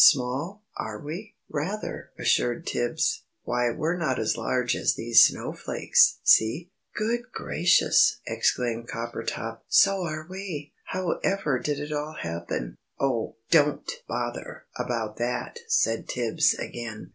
"Small, are we?" "Rather," assured Tibbs; "why we're not as large as these snowflakes, see." "Good gracious!" exclaimed Coppertop, "so we are! However did it all happen?" "Oh, don't bother about that," said Tibbs again.